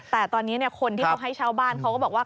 แต่ตอนนี้คนที่เขาให้เช่าบ้านเขาก็บอกว่า